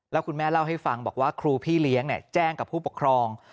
แล้วคุณแม่เล่าให้ฟังบอกว่าครูพี่เลี้ยงแจ้งกับผู้ปกครอง